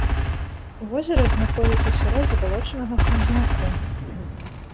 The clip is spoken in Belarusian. Возера знаходзіцца сярод забалочанага хмызняку.